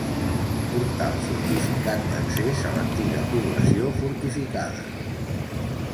Portal fortificat d'accés a l'antiga població fortificada.